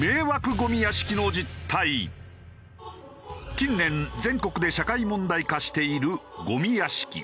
近年全国で社会問題化しているゴミ屋敷。